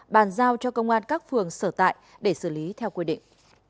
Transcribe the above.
bàn giao cho công an các phường sở tại để xử lý theo quy định